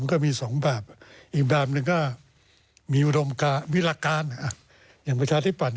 มันก็มีสองแบบอีกแบบหนึ่งก็มีอุดมการมีหลักการอ่ะอย่างประชาธิปัตย์